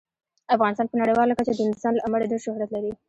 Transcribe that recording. افغانستان په نړیواله کچه د نورستان له امله ډیر شهرت لري.